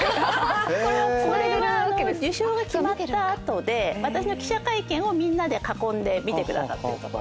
これは受賞が決まった後で私の記者会見をみんなで囲んで見てくださってるところですね。